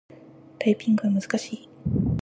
タイピングは難しい。